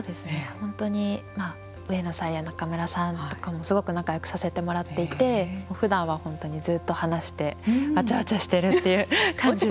本当にまあ上野さんや仲邑さんとかもすごく仲よくさせてもらっていてふだんは本当にずっと話してわちゃわちゃしてるっていう感じで。